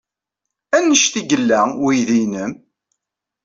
Anect ay yella weydi-nnem?